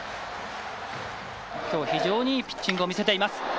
今日非常にいいピッチングを見せています。